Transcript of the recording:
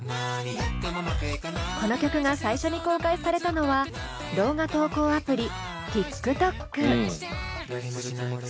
この曲が最初に公開されたのは動画投稿アプリＴｉｋＴｏｋ。